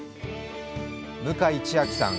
向井千秋さん